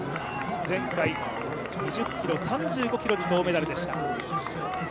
前回、２０ｋｍ、３５ｋｍの銅メダルでした。